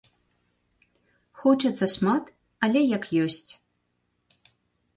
Хочацца шмат, але як ёсць.